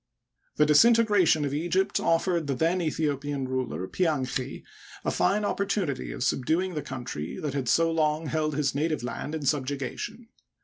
The disintegration of Egypt offered the then Aethio pian ruler, Pianchi, a fine opportunity of subduing the • country that had so long held his native land in subjuga tion.